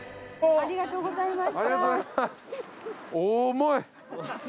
ありがとうございます。